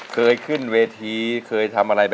ขอบคุณครับ